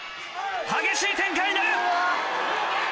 激しい展開になる！